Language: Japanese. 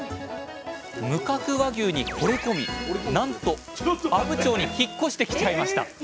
無角和牛にほれ込みなんと阿武町に引っ越してきちゃいましたえ